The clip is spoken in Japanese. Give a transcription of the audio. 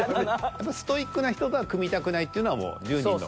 やっぱストイックな人とは組みたくないっていうのはもう１０人の。